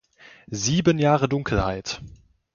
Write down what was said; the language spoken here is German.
Sieben Jahre Dunkelheit!